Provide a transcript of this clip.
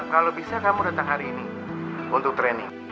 kalau bisa kamu datang hari ini untuk training